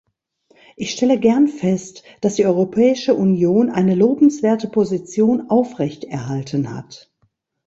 Ich stelle gern fest, dass die Europäische Union eine lobenswerte Position aufrechterhalten hat.